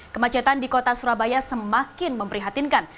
kemacetan di kota surabaya semakin memprihatinkan